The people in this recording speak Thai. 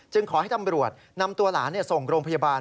ขอให้ตำรวจนำตัวหลานส่งโรงพยาบาล